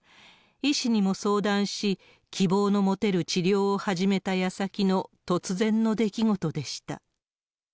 医師にも相談し、希望の持てる治療を始めた矢先の突然の出来事でした。